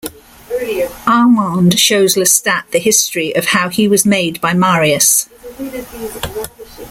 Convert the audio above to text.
Armand "shows" Lestat the history of how he was made by Marius.